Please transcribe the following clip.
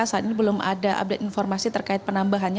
saat ini belum ada update informasi terkait penambahannya